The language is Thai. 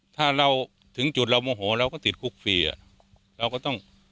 ถ้าเราถึงจุดเราโมโหเราก็ติดคุกฟรีเราก็ต้อง